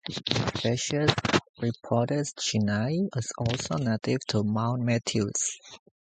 The species "Rhypodes chinai" is also native to Mount Matthews.